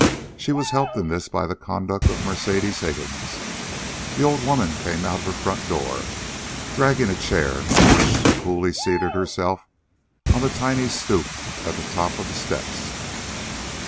She was helped in this by the conduct of Mercedes Higgins. The old woman came out of her front door, dragging a chair, on which she coolly seated herself on the tiny stoop at the top of the steps.